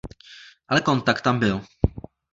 Ale kontakt tam byl.